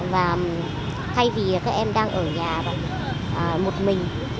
và thay vì các em đang ở nhà một mình